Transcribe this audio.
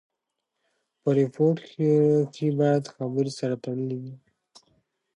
په ریپورټ کښي باید خبري سره تړلې وي.